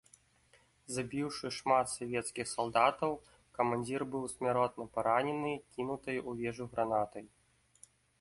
Забіўшы шмат савецкіх салдатаў, камандзір быў смяротна паранены кінутай у вежу гранатай.